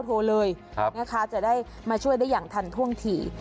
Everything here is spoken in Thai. โทรเลยนะคะจะได้มาช่วยได้อย่างทันท่วงที